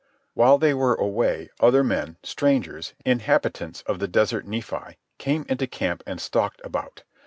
While they were away other men, strangers, inhabitants of desert Nephi, came into camp and stalked about.